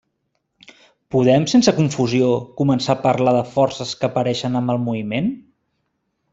Podem, sense confusió, començar a parlar de forces que apareixen amb el moviment?